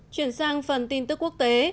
chuyển sang phần tin tức quốc tế